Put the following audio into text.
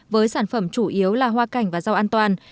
với sản phẩm chủ yếu là hoa cảnh và rau an toàn